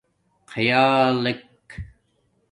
خیالک